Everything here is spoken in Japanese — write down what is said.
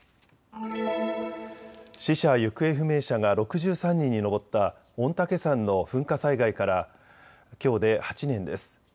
死者・行方不明者が６３人に上った御嶽山の噴火災害からきょうで８年です。